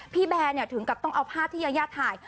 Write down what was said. พี่แบร์เนี่ยถึงกับต้องเอาภาพที่ยาย่าถ่าย